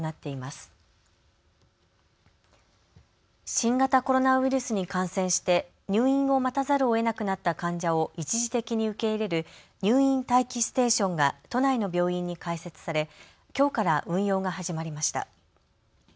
新型コロナウイルスに感染して入院を待たざるをえなくなった患者を一時的に受け入れる入院待機ステーションが都内の病院に開設されきょうから運用が始まりました。